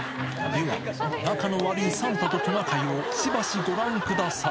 では、仲の悪いサンタとトナカイをしばしご覧ください。